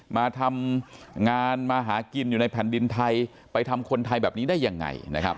มาทำงานมาหากินอยู่ในแผ่นดินไทยไปทำคนไทยแบบนี้ได้ยังไงนะครับ